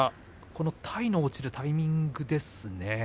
体の落ちるタイミングですね